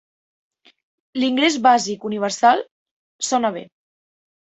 L'ingrés bàsic universal sona bé.